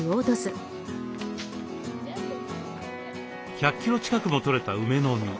１００キロ近くもとれた梅の実。